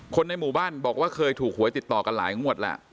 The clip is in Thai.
คนในหมู่บ้านบอกว่าเคยถูกหวยติดต่อกันหลายงวดแล้ว